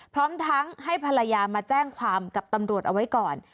พร้อมทั้งให้ภรรยามาแจ้งความกับตำรวจเอาไว้ก่อน